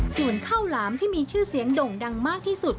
ส่วนข้าวหลามที่มีชื่อเสียงด่งดังมากที่สุด